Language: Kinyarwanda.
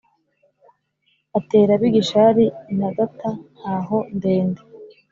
atera ab’i gishari intagata ntaho-ndende.